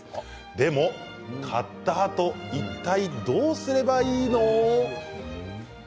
でも、買ったあといったいどうすればいいの？